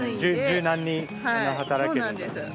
柔軟に働けるんですね。